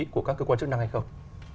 của các cơ quan chức năng hay không